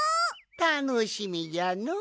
たのしみじゃのお。